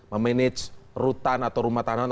memanage rutan atau rumah tahanan